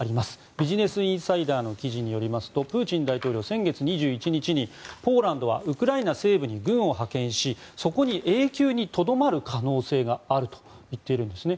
ビジネスインサイダーの記事によりますとプーチン大統領、先月２１日にポーランドはウクライナ西部に軍を派遣しそこに永久にとどまる可能性があると言っているんですね。